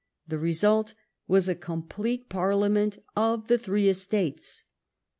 The result was a complete parliament of the three estates.